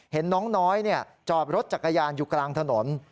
เห็นน้องน้อยจอดรถจักรยานอยู่กลางถนน